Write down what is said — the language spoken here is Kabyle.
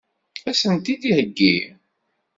Ad sen-t-id-iheggi?